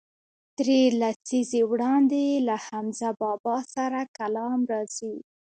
درې لسیزې وړاندې یې له حمزه بابا سره کلام راځي.